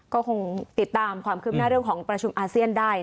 ก็คงติดตามความคืบหน้าเรื่องของประชุมอาเซียนได้